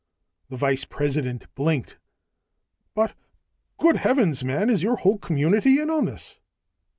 The vice president blinked. "But ... good heavens, man! Is your whole community in on this?"